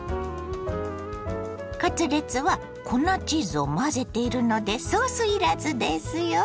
カツレツは粉チーズを混ぜているのでソースいらずですよ。